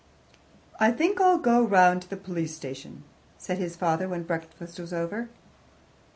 "I think I'll go round to the police station," said his father when breakfast was over.